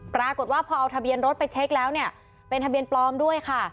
ปรากฏว่าพอเอาทะเบียนรถไปเช็คแล้วเนี่ยเป็นทะเบียนปลอมด้วยค่ะ